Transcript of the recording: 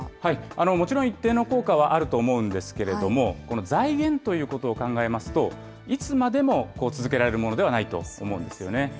もちろん一定の効果はあると思うんですけれども、この財源ということを考えますと、いつまでも続けられるものではないと思うですよね。